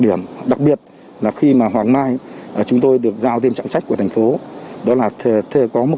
điểm đặc biệt là khi mà hoàng mai chúng tôi được giao thêm trọng trách của thành phố đó là có một